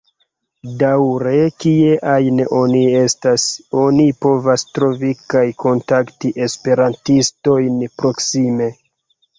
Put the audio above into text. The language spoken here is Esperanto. Daŭre kie ajn oni estas, oni povas trovi kaj kontakti esperantistojn proksime.